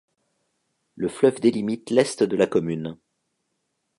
Le fleuve délimite l'est de la commune.